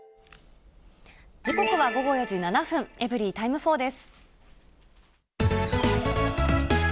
時刻は午後４時７分、エブリィタイム４です。